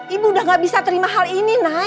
ibu udah gak bisa terima hal ini nak